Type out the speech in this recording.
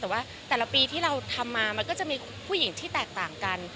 แต่ว่าแต่ละปีที่เราทำมามันก็จะมีผู้หญิงที่แตกต่างกัน